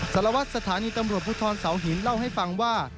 สารวัตรสถานีตำรวจภูทรเสาหินเล่าให้ฟังว่า